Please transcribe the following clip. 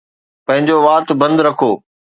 پنهنجو وات بند رکو